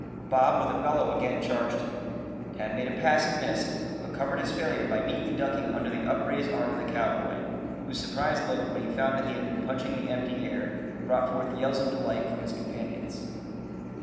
Bob with a bellow again charged him. Tad made a pass and missed, but covered his failure by neatly ducking under the upraised arm of the cowboy, whose surprised look when he found that he had been punching the empty air brought forth yells of delight from his companions.